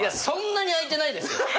そんなにあいてないですよ。